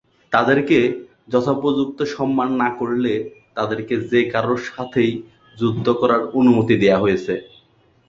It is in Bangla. তাদেরকে যথোপযুক্ত সম্মান না করলে তাদেরকে যে-কারোর সাথেই যুদ্ধ করার অনুমতি দেয়া হয়েছে।